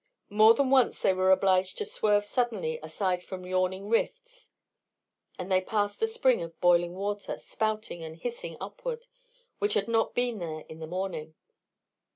More than once they were obliged to swerve suddenly aside from yawning rifts, and they passed a spring of boiling water, spouting and hissing upward, which had not been there in the morning.